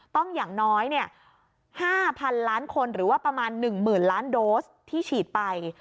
อย่างน้อย๕๐๐๐ล้านคนหรือว่าประมาณ๑๐๐๐ล้านโดสที่ฉีดไป